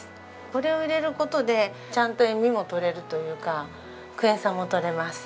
これを入れる事でちゃんと塩味も取れるというかクエン酸も取れます。